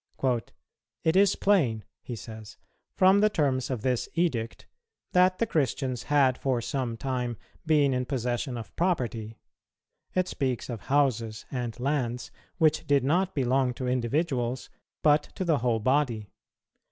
"It is plain," he says, "from the terms of this edict, that the Christians had for some time been in possession of property. It speaks of houses and lands which did not belong to individuals, but to the whole body.